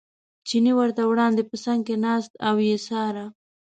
چیني ورته وړاندې په څنګ کې ناست او یې څاره.